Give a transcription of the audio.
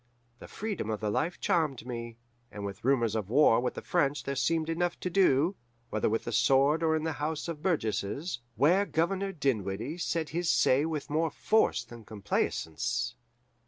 The freedom of the life charmed me, and with rumours of war with the French there seemed enough to do, whether with the sword or in the House of Burgesses, where Governor Dinwiddie said his say with more force than complaisance.